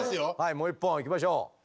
もう一本いきましょう。